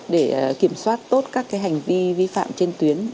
để kiểm soát tốt các hành vi vi phạm trên tuyến